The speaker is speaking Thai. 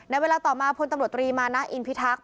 เวลาต่อมาพลตำรวจตรีมานะอินพิทักษ